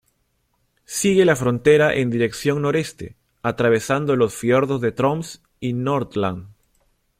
Sigue la frontera en dirección noreste, atravesando los fiordos de Troms y Nordland.